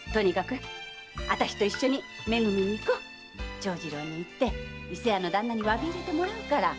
長次郎に言って伊勢屋の旦那に詫びを入れてもらうから。